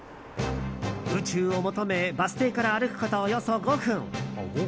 宇宙を求めバス停から歩くことおよそ５分。